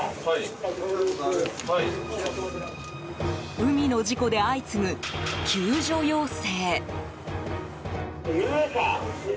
海の事故で相次ぐ救助要請。